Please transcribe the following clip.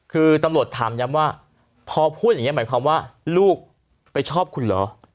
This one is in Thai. คือตำรวจถามย้ำว่าพอพูดอย่างนี้หมายความว่าลูกไปชอบคุณเหรอ